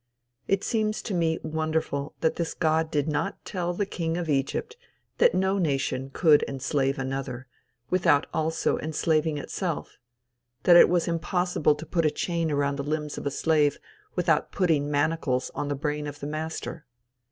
It seems to me wonderful that this God did not tell the king of Egypt that no nation could enslave another, without also enslaving itself; that it was impossible to put a chain around the limbs of a slave, without putting manacles upon the brain of the master.